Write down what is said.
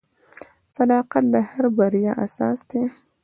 • صداقت د هر بریا اساس دی.